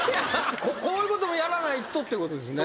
こういうこともやらないとっていうことですね。